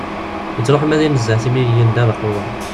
Ittruḥu mmi ad inezzeh timliliyin n ddabex n uḍar.